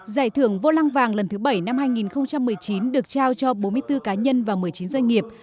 giải thưởng vô lăng vàng lần thứ bảy năm hai nghìn một mươi chín được trao cho bốn mươi bốn cá nhân và một mươi chín doanh nghiệp